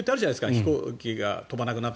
飛行機が飛ばなくなって。